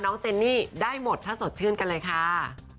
เจนนี่ได้หมดถ้าสดชื่นกันเลยค่ะ